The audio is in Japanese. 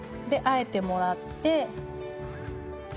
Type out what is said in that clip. で和えてもらって。